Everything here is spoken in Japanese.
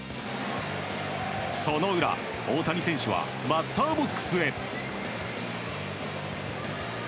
その裏大谷選手はバッターボックスへ。